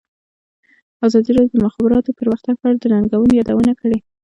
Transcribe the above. ازادي راډیو د د مخابراتو پرمختګ په اړه د ننګونو یادونه کړې.